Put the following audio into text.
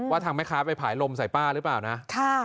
ทางแม่ค้าไปผายลมใส่ป้าหรือเปล่านะ